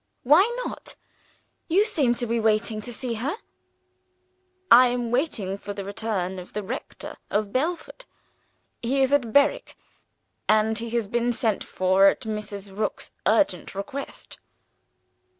"Why not? You seem to be waiting to see her." "I am waiting for the return of the rector of Belford. He is at Berwick; and he has been sent for at Mrs. Rook's urgent request."